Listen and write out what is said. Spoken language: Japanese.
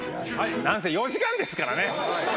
何せ４時間ですからね。